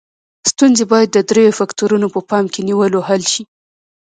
ستونزې باید د دریو فکتورونو په پام کې نیولو حل شي.